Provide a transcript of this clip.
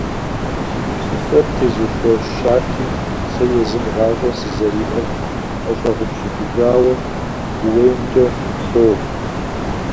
Си гупсысэр птезухуэщати, сэ езым гъащӀэ сызэриӀэр сӀэщӀэгъупщыкӀыжауэ, ууеймкӀэ сыпсэурт.